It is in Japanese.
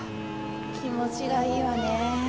気持ちがいいわねぇ。